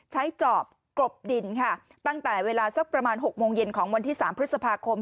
จอบกรบดินค่ะตั้งแต่เวลาสักประมาณ๖โมงเย็นของวันที่๓พฤษภาคม